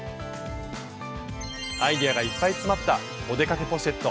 アイデアがいっぱい詰まった「お出かけポシェット」。